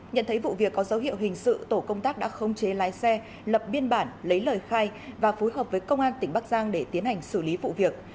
nhận thấy vụ việc có dấu hiệu hình sự tổ công tác đã không chế lái xe lập biên bản lấy lời khai và phối hợp với công an tỉnh bắc giang để tiến hành xử lý vụ việc